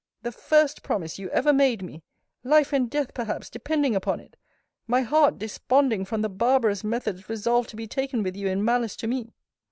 The first promise you ever made me! Life and death perhaps depending upon it my heart desponding from the barbarous methods resolved to be taken with you in malice to me!